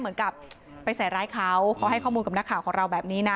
เหมือนกับไปใส่ร้ายเขาเขาให้ข้อมูลกับนักข่าวของเราแบบนี้นะ